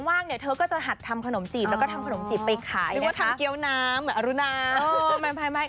ว่างเนี่ยเธอก็จะหัดทำขนมจีบแล้วก็ทำขนมจีบไปขายหรือว่าทำเกี้ยวน้ำอรุณา